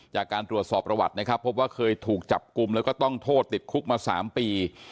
จากการตรวจสอบประวัตินะครับพบว่าเคยถูกจับกลุ่มแล้วก็ต้องโทษติดคุกมา๓ปี